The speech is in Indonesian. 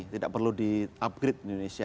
tidak perlu di upgrade di indonesia